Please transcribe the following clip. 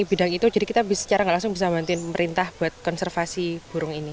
bidang itu jadi kita secara nggak langsung bisa membantuin pemerintah buat konservasi burung ini